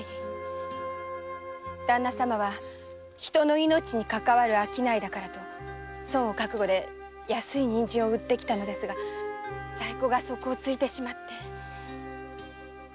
旦那様は人の命にかかわる商いだからと損を覚悟で安い人参を売ってきたのですが在庫が底をついてしまって。